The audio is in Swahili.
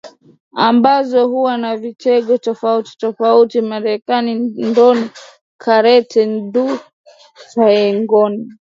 ambazo huwa na vitengo tofauti tofauti miereka Ndodi kareti judo taekwondo